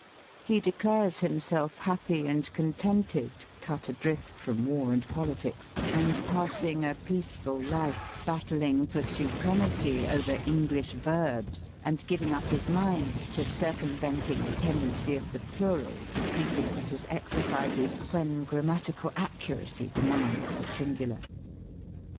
He declares himself happy and contented, cut adrift from war and politics, and passing a peaceful life, batthng only for supremacy over Enghsh verbs, and giving up his mind to circumventing the tendency of the plural to creep into his exercises when grammatical accuracy demands Digitized by VjOOQIC 168 EAST BY WEST. the singular.